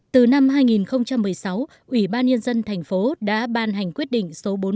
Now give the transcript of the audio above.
từ năm hai nghìn một mươi sáu ủy ban nhân dân thành phố đã ban hành quyết định